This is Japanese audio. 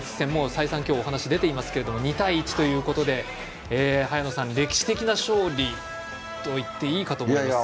再三、今日お話が出ていますけれども２対１ということで早野さん、歴史的な勝利と言っていいかと思います。